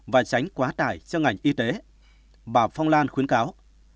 và tránh quá tải cho ngành y tế bà phong lan khuyến cáo